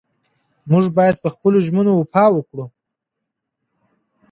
موږ باید په خپلو ژمنو وفا وکړو.